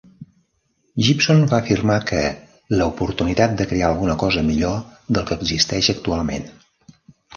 Gibson va afirmar que "la oportunitat de crear alguna cosa millor del que existeix actualment".